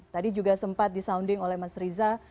tadi juga sempat disounding oleh mas riza